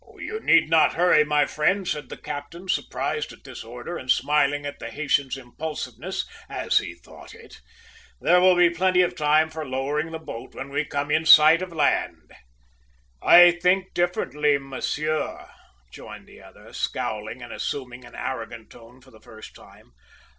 "`You need not hurry, my friend!' said the captain, surprised at this order and smiling at the Haytian's impulsiveness, as he thought it. `There will be plenty of time for lowering the boat when we come in sight of land.' "`I think differently, monsieur,' rejoined the other, scowling and assuming an arrogant tone for the first time.